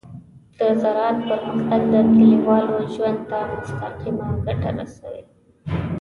د زراعت پرمختګ د کليوالو ژوند ته مستقیمه ګټه رسوي.